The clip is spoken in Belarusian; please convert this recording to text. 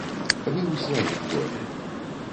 Вы ў сваім доме.